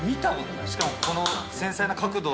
しかもこの。